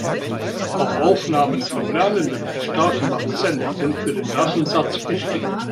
Auch Aufnahmen von Lernenden mit starkem Akzent sind für den Datensatz wichtig.